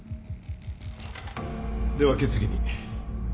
では決議に